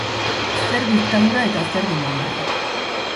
Zer diktadura eta zer demontre.